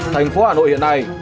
thành phố hà nội hiện nay